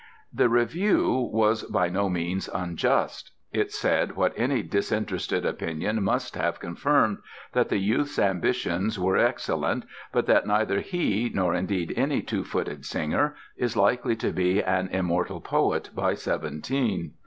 The review was by no means unjust: it said what any disinterested opinion must have confirmed, that the youth's ambitions were excellent, but that neither he, nor indeed any two footed singer, is likely to be an immortal poet by seventeen.